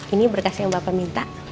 ini berkas yang bapak minta